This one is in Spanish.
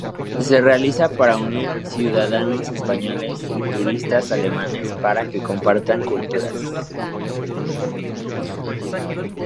Se realiza para unir ciudadanos españoles y turistas alemanes para que compartan culturas.